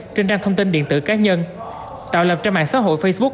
trên trang thông tin điện tử cá nhân tạo lập trên mạng xã hội facebook